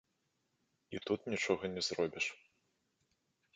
І тут нічога не зробіш.